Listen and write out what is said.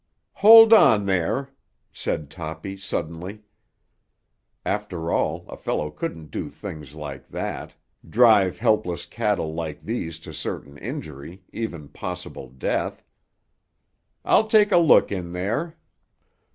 "Hold on there!" said Toppy suddenly. After all, a fellow couldn't do things like that—drive helpless cattle like these to certain injury, even possible death. "I'll take a look in there."